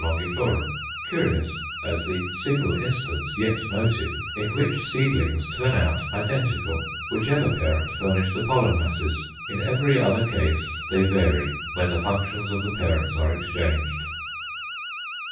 longiflorum_; curious as the single instance yet noted in which seedlings turn out identical, whichever parent furnish the pollen masses. In every other case they vary when the functions of the parents are exchanged.